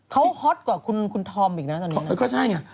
เขาฮอตกว่าคุณธอมอีกนะตอนนี้ก็ใช่ไง